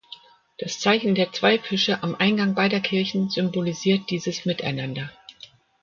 Das Zeichen der zwei Fische am Eingang beider Kirchen symbolisiert dieses Miteinander.